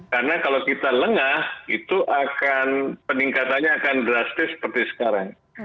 karena kalau kita lengah peningkatannya akan drastis seperti sekarang